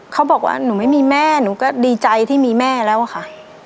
เขาบอกว่าหนูไม่มีแม่หนูก็ดีใจที่มีแม่แล้วอะค่ะ